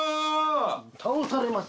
倒されます。